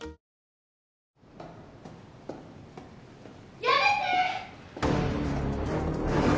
やめて！